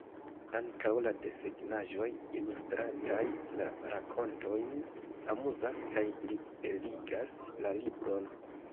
Ankaŭ la desegnaĵoj, ilustrantaj la rakontojn, amuzas kaj plibeligas la libron.